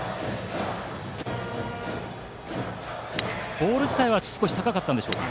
ボール自体は少し高かったでしょうか？